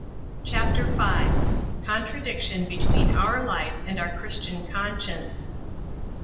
CHAPTER V. CONTRADICTION BETWEEN OUR LIFE AND OUR CHRISTIAN CONSCIENCE.